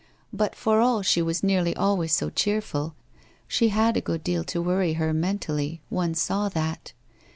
But for all she was nearly always so cheerful, she had a good deal to worry her mentally, one saw that.